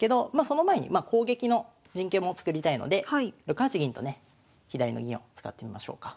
その前に攻撃の陣形も作りたいので６八銀とね左の銀を使ってみましょうか。